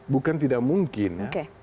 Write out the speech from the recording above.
bukan tidak mungkin